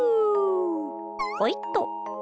ほいっと！